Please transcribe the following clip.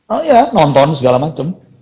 oh ya nonton segala macam